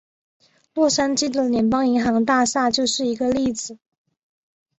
洛杉矶的联邦银行大厦就是一个例子。